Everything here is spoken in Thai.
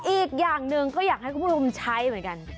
อีกอย่างหนึ่งก็อยากให้คุณผู้ชมใช้เหมือนกัน